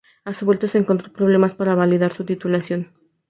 A su vuelta encontró problemas para validar su titulación.